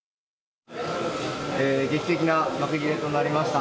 劇的な幕切れとなりました。